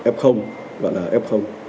f gọi là f